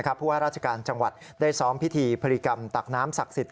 เพราะว่าราชการจังหวัดได้ซ้อมพิธีพริกรรมตักน้ำศักดิ์สิทธิ